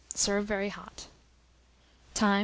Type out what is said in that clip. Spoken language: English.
Serve very hot. Time.